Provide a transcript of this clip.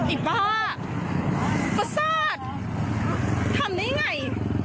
อีกบ้าประศาจทำนี่ไง